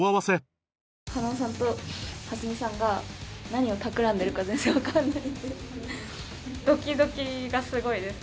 加納さんと蓮見さんが何をたくらんでるか全然わかんないんで。